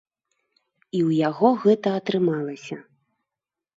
І ў яго гэта атрымалася.